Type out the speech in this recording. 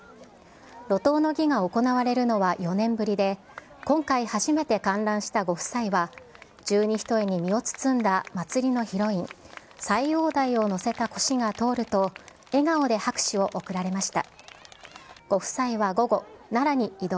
路頭の儀が行われるのは４年ぶりで、今回初めて観覧したご夫妻は、十二単に身を包んだ祭りのヒロイン、斎王代をのせたこしが通ると笑顔で拍手を送られました。